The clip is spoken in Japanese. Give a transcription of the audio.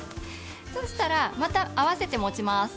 そしたらまた合わせて持ちます。